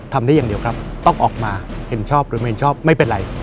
ได้อย่างเดียวครับต้องออกมาเห็นชอบหรือไม่เห็นชอบไม่เป็นไร